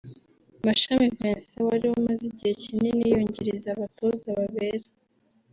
Mashami Vincent wri umaze igihe kinini yungiriza abatoza b’abera